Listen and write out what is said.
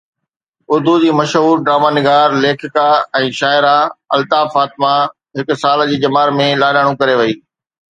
اردو جي مشهور ڊراما نگار، ليکڪا ۽ شاعره الطاف فاطمه هڪ سال جي ڄمار ۾ لاڏاڻو ڪري وئي